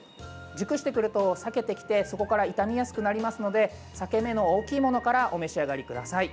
熟してくると、裂けてきてそこから傷みやすくなりますので裂け目の大きいものからお召し上がりください。